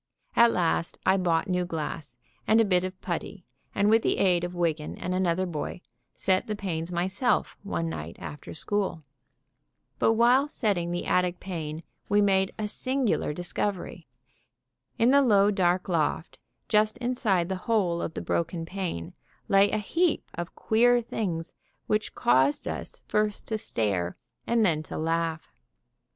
At last I bought new glass and a bit of putty and with the aid of Wiggan and another boy, set the panes myself one night after school. But while setting the attic pane we made a singular discovery. In the low, dark loft, just inside the hole of the broken pane, lay a heap of queer things which caused us first to stare, then to laugh.